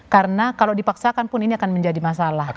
karena kalau dipaksakan pun ini akan menjadi masalah